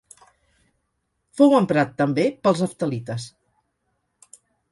Fou emprat també pels heftalites.